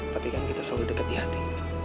tapi kan kita selalu dekat di hati